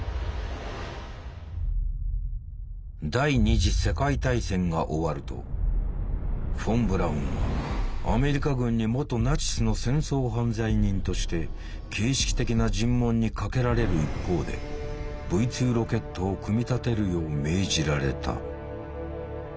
第二次世界大戦が終わるとフォン・ブラウンはアメリカ軍に元ナチスの戦争犯罪人として形式的な尋問にかけられる一方でＶ２ロケットを組み立てるよう命じられた。